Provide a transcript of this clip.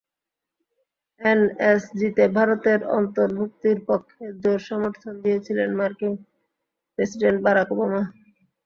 এনএসজিতে ভারতের অন্তর্ভুক্তির পক্ষে জোর সমর্থন দিয়েছিলেন মার্কিন প্রেসিডেন্ট বারাক ওবামা।